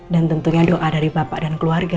dan tentunya doa dari bapak dan keluarga